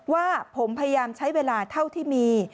ว่าผมพยายามใช้เวลาเท่าที่มี